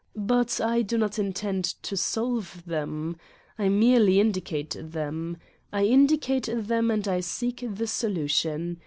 But I do not intend to solve them. I merely indicate them. I indicate them, and I seek the solution.